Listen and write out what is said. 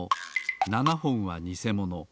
７ほんはにせもの。